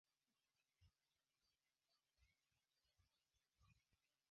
现团址系与经济部矿务局合用原国民大会秘书处。